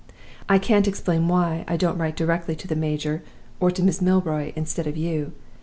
I can't explain why I don't write directly to the major, or to Miss Milroy, instead of to you.